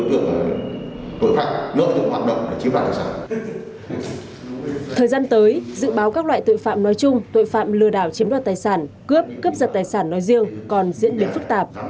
thời gian tới dự báo các loại tội phạm nói chung tội phạm lừa đảo chiếm đoạt tài sản cướp cướp giật tài sản nói riêng còn diễn biến phức tạp